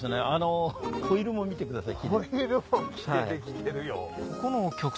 ホイールも見てください。